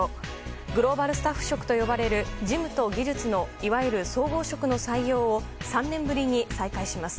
グローバルスタッフ職と呼ばれる事務と技術のいわゆる総合職の採用を３年ぶりに再開します。